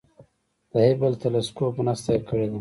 د هبل تلسکوپ مرسته یې کړې ده.